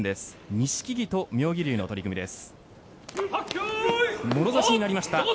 錦木と妙義龍の取組です。